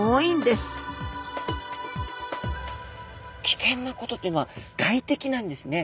危険なことっていうのは外敵なんですね。